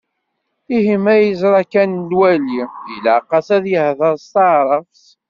Ihi ma yeẓra kan lwali, ilaq-as ad yehder s taɛrabt?